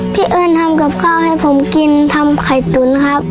เอิ้นทำกับข้าวให้ผมกินทำไข่ตุ๋นครับ